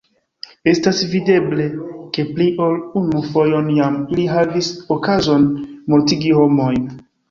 Estas videble, ke pli ol unu fojon jam ili havis okazon mortigi homojn!